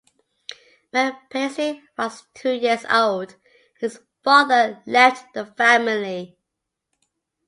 When Paisley was two-years-old, his father left the family.